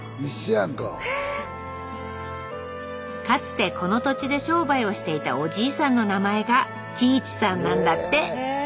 かつてこの土地で商売をしていたおじいさんの名前が喜一さんなんだって。